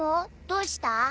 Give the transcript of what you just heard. どうした？